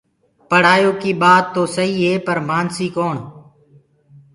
پڙهآئيو ڪي ٻآت توسهيٚ پر مآنسيٚ ڪوڻ